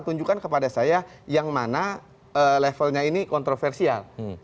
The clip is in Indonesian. tunjukkan kepada saya yang mana levelnya ini kontroversial